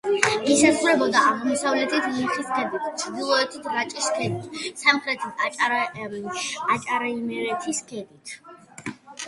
ისაზღვრებოდა: აღმოსავლეთით ლიხის ქედით, ჩრდილოეთით რაჭის ქედით, სამხრეთით აჭარა-იმერეთის ქედით.